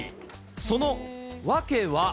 その訳は。